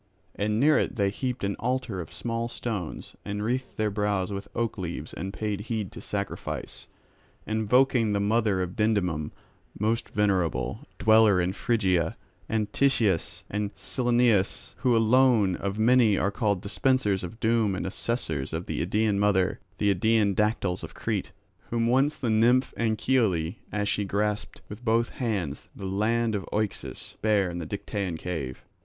And near it they heaped an altar of small stones, and wreathed their brows with oak leaves and paid heed to sacrifice, invoking the mother of Dindymum, most venerable, dweller in Phrygia, and Titias and Cyllenus, who alone of many are called dispensers of doom and assessors of the Idaean mother,—the Idaean Dactyls of Crete, whom once the nymph Anchiale, as she grasped with both hands the land of Oaxus, bare in the Dictaean cave.